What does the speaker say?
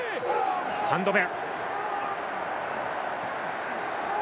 ３度目。